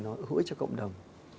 giữ cho cộng đồng